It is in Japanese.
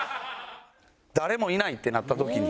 誰もいないってなった時に。